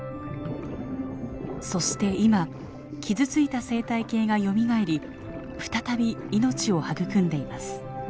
そして今傷ついた生態系がよみがえり再び命を育んでいます。